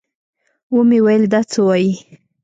ومې ويل دا څه وايې.